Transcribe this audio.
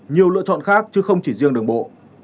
nhiều lựa chọn khác chứ không chỉ riêng đường bộ